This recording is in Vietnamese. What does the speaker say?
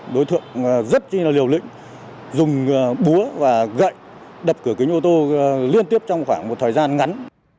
đối tượng rất là liều lĩnh dùng búa và gậy đập cửa kính ô tô liên tiếp trong khoảng một thời gian ngắn